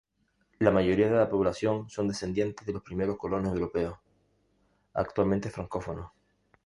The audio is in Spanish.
La mayoría de la población son descendientes de los primeros colonos europeos, actualmente francófonos.